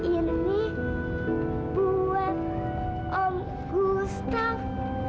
ini buat om gustaf